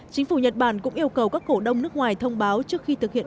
chính phủ nhật bản cũng yêu cầu các cổ đông nước ngoài thông báo trước khi thực hiện